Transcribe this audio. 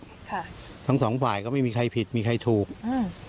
ค่ะทั้งสองฝ่ายก็ไม่มีใครผิดมีใครถูกอืม